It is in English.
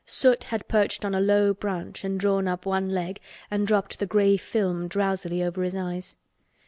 Soot had perched on a low branch and drawn up one leg and dropped the gray film drowsily over his eyes.